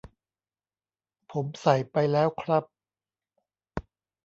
ผมใส่ไปแล้วครับ